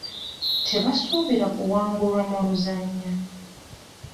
Tebasuubira kuwangulwa mu luzannya.